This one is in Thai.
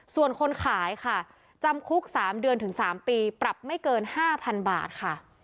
ส่วนคนขายค่ะจำคุก๓เดือนถึง๓ปีปรับไม่เกิน๕๐๐๐บาทค่ะ